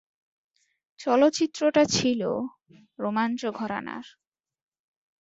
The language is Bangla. চলচ্চিত্রটি ছিলো রোমাঞ্চ ঘরানার।